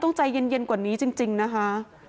ใจเย็นกว่านี้จริงนะคะ